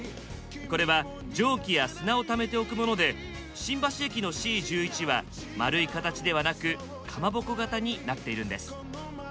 これは蒸気や砂をためておくもので新橋駅のＣ１１は丸い形ではなくかまぼこ型になっているんです。